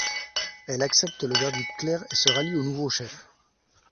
Elle accepte le verdict clair et se rallie au nouveau chef.